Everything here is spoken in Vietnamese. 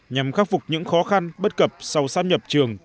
nhằm khắc phục những khó khăn bất cập sau sát nhập trường